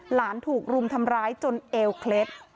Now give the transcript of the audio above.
หลานถูกรุมทำร้ายจนเอวเคล็ด